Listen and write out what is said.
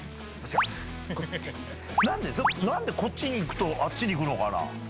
なんで、なんでこっちに行くと、あっちに行くのかな。